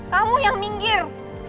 kamu yang minggir